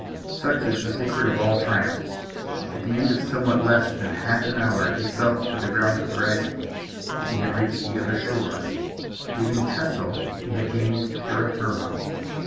Such is the secret of all triumphs. At the end of somewhat less than half an hour he felt that the ground was rising. He had reached the other shore. Leaving Chesil, he had gained terra firma.